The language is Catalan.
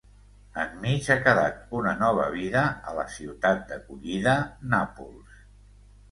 Enmig ha quedat una nova vida a la ciutat d'acollida, Nàpols.